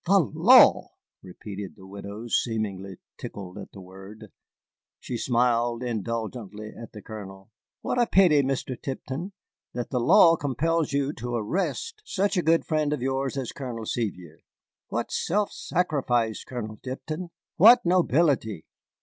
"The law!" repeated the widow, seemingly tickled at the word. She smiled indulgently at the Colonel. "What a pity, Mr. Tipton, that the law compels you to arrest such a good friend of yours as Colonel Sevier. What self sacrifice, Colonel Tipton! What nobility!"